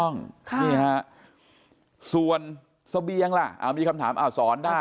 นี่ฮะส่วนสะเบียงล่ะเอาอันนี้คำถามอ่าสอนได้